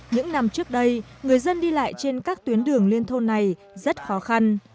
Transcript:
những năm trước đây người dân đi lại trên các tuyến đường liên thôn này rất khó khăn